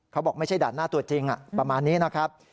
เขาบอกไม่ใช่ด่านหน้าตัวจริงประมาณนี้นะครับ